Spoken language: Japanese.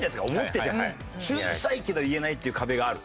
注意したいけど言えないっていう壁がある。